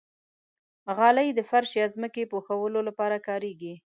غالۍ د فرش یا ځمکې پوښلو لپاره کارېږي.